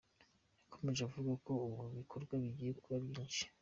Yakomeje avuga ko ubu ibikorwa bigiye kuba byinshi.